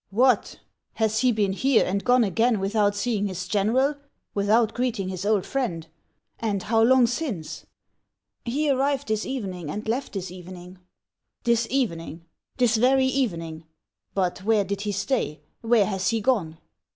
" What ! has he been here, and gone again without see ing his general, without greeting his old friend ! And how long since ?"" He arrived this evening and left this evening." "This evening, — this very evening! But where did he stay ? Where has he gone